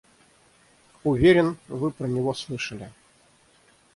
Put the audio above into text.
Уверен, вы про него слышали.